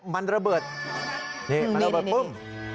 มันระเบิดนี่มันระเบิดปึ้ง